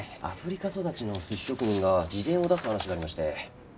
アフリカ育ちの寿司職人が自伝を出す話がありまして。